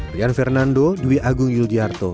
rian fernando dwi agung yuldiarto